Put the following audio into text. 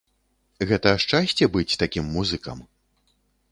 Гэта шчасце быць такім музыкам?